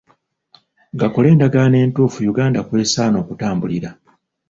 Gakole endagaano entuufu Uganda kw'esaana okutambulira.